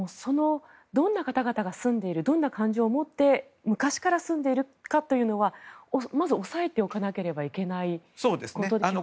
どんな方々が住んでいるどんな感情を持って昔から住んでいるかというのは押さえておかなければいけないことですね。